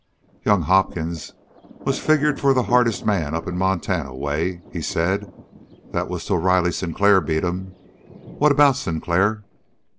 "Young Hopkins was figured for the hardest man up in Montana way," he said. "That was till Riley Sinclair beat him. What about Sinclair?"